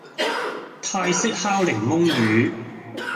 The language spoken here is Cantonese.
泰式烤檸檬魚